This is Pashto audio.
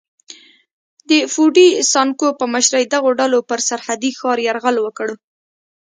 د فوډي سانکو په مشرۍ دغو ډلو پر سرحدي ښار یرغل وکړ.